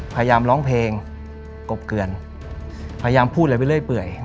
พยายามร้องเพลงกบเกือนพยายามพูดอะไรไปเรื่อยเปื่อย